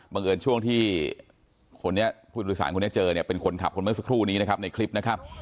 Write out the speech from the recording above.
บังเอิญช่วงที่คนนี้ผู้โดยสารคนนี้เจอเนี่ยเป็นคนขับคนเมื่อสักครู่นี้นะครับในคลิปนะครับ